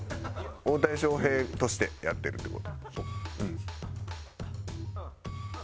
大谷翔平としてやってるっていう事。